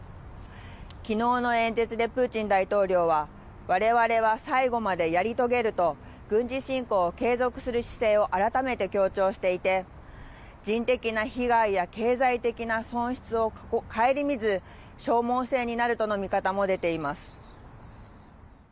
きのうの演説でプーチン大統領は、われわれは最後までやり遂げると、軍事侵攻を継続する姿勢を改めて強調していて、人的な被害や経済的な損失を顧みず、消耗戦になるとの見方も出ています。